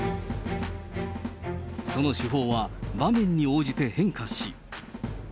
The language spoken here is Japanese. その手法は、場面に応じて変化し。